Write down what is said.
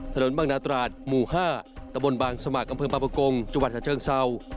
ถนนบังนาตราดหมู่๕ตะบนบางสมัครอำเภินปราปกงจวัตรเชิงเศร้า